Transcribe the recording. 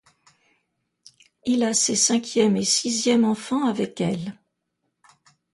Il a ses cinquième et sixième enfants avec elle.